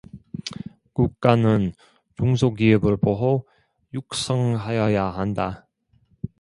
국가는 중소기업을 보호, 육성하여야 한다.